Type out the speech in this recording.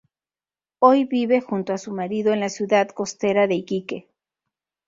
Hoy vive junto a su marido en la ciudad costera de Iquique.